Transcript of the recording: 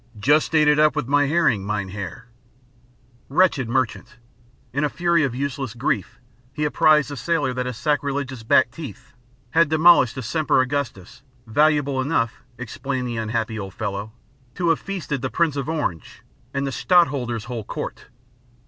"Just ate it up with my herring, mynheer." Wretched merchant! In a fury of useless grief he apprised the sailor that his sacrilegious back teeth had demolished a Semper Augustus valuable enough, explained the unhappy old fellow, to have feasted the Prince of Orange and the Stadtholder's whole court.